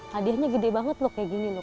hadiahnya gede banget loh kayak gini loh